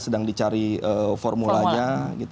sedang dicari formulanya